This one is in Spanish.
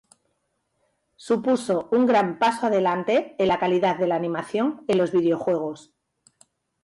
Supuso un gran paso adelante en la calidad de la animación en los videojuegos.